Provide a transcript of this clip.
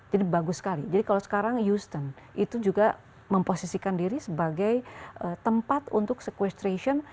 jadi bagus sekali jadi kalau sekarang houston itu juga memposisikan diri sebagai tempat untuk sequestration